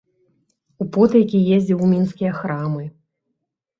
Употайкі ездзіў у мінскія храмы.